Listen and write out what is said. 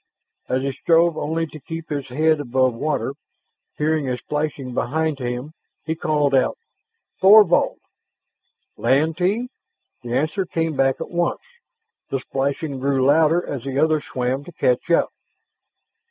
So he strove only to keep his head above water. Hearing a splashing behind him, he called out: "Thorvald?" "Lantee?" The answer came back at once; the splashing grew louder as the other swam to catch up.